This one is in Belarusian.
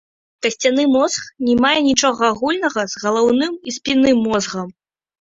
Касцяны мозг не мае нічога агульнага з галаўным і спінным мозгам.